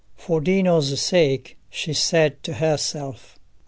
"For Dino's sake," she said to herself.